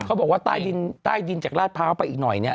เขาบอกว่าใต้ดินจากราชภาพไปอีกหน่อยเนี่ย